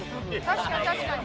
確かに確かに。